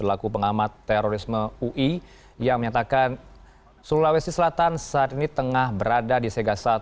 aku pengamat terorisme ui yang menyatakan sulawesi selatan saat ini tengah berada di segasa